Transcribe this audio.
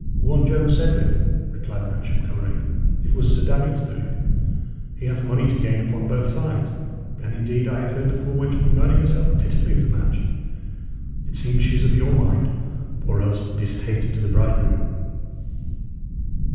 "One Joan Sedley," replied Matcham, colouring. "It was Sir Daniel's doing; he hath money to gain upon both sides; and, indeed, I have heard the poor wench bemoaning herself pitifully of the match. It seems she is of your mind, or else distasted to the bridegroom."